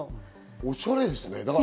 おしゃれですね。